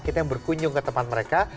kita yang berkunjung ke tempat mereka